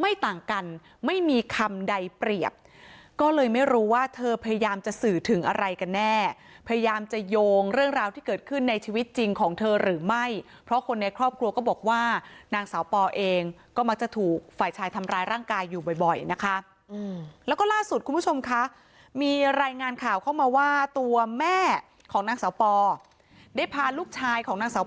ไม่ต่างกันไม่มีคำใดเปรียบก็เลยไม่รู้ว่าเธอพยายามจะสื่อถึงอะไรกันแน่พยายามจะโยงเรื่องราวที่เกิดขึ้นในชีวิตจริงของเธอหรือไม่เพราะคนในครอบครัวก็บอกว่านางเสาปอลเองก็มักจะถูกฝ่ายชายทำร้ายร่างกายอยู่บ่อยนะคะแล้วก็ล่าสุดคุณผู้ชมคะมีรายงานข่าวเข้ามาว่าตัวแม่ของนางเสาปอลได้พาลูกชายของนางเสา